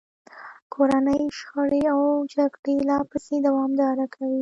کورنۍ شخړې او جګړې لا پسې دوامداره کوي.